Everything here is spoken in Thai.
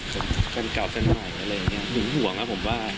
เป็นเก่าเส้นหน่อยอะไรอย่างเงี้ยหนูห่วงอ่ะผมว่า